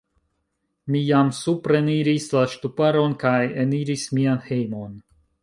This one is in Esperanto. Mi jam supreniris la ŝtuparon kaj eniris mian hejmon.